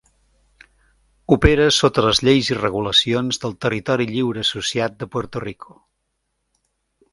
Opera sota les lleis i regulacions del Territori lliure associat de Puerto Rico.